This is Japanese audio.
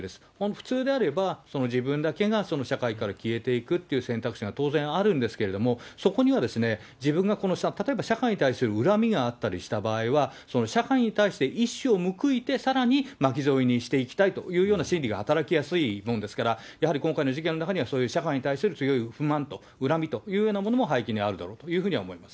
普通であれば、自分だけが社会から消えていくという選択肢が当然あるんですけれども、そこには自分がこの、例えば社会に対する恨みがあったりした場合は、その社会に対して一矢を報いてさらに巻き添えにしていきたいという心理が働きやすいものですから、やはり今回の事件の中には、そういう社会に対する強い不満と、恨みというようなものも背景にあるだろうというふうには思います。